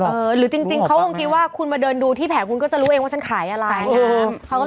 หรือจริงเขาคงคิดว่าคุณมาเดินดูที่แผงคุณก็จะรู้เองว่าฉันขายอะไร